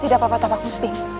tidak apa apa tapak musti